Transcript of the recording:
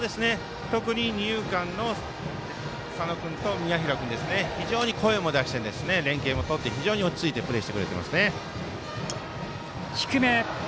特に二遊間の佐野君と宮平君、声も出して連係もとって、落ち着いてプレーしてくれています。